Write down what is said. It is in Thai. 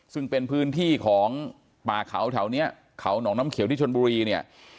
ซึ่งเป็นพื้นที่ของป่าเขาแถวนี้เขาหนองน้ำเขียวที่ชนบุรีเนี่ย